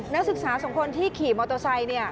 นักศึกษาสองคนที่ขี่มอเตอร์ไซค์เนี่ย